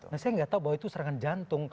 nah saya nggak tahu bahwa itu serangan jantung